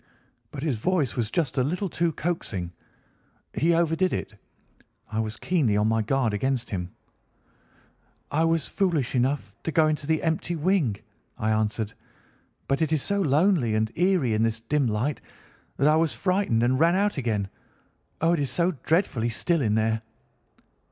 "But his voice was just a little too coaxing. He overdid it. I was keenly on my guard against him. "'I was foolish enough to go into the empty wing,' I answered. 'But it is so lonely and eerie in this dim light that I was frightened and ran out again. Oh, it is so dreadfully still in there!